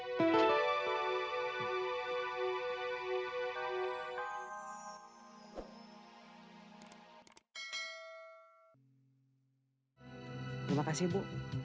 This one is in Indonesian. terima kasih bu